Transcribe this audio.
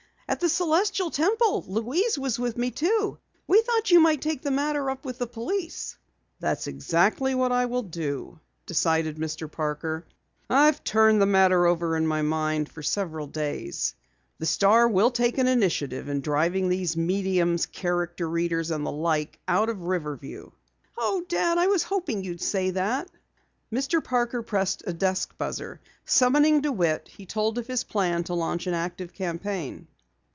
At the Celestial Temple Louise was with me, too. We thought you might take up the matter with the police." "That's exactly what I will do," decided Mr. Parker. "I've turned the matter over in my mind for several days. The Star will take the initiative in driving these mediums, character readers and the like out of Riverview!" "Oh, Dad, I was hoping you'd say that!" Mr. Parker pressed a desk buzzer. Summoning DeWitt, he told of his plan to launch an active campaign.